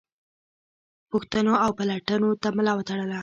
پوښتنو او پلټنو ته ملا وتړله.